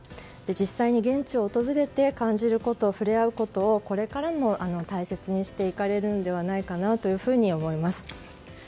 実際に現地を訪れて感じること、触れ合うことをこれからも大切にしていかれるのではないかと思います。